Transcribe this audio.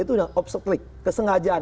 itu yang obstruks kesengajaan